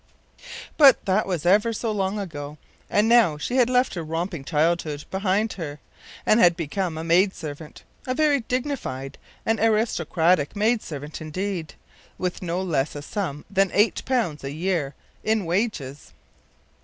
” But that was ever so long ago, and now she had left her romping childhood behind her, and had become a maid servant a very dignified and aristocratic maid servant indeed with no less a sum than eight pounds ten a year in wages.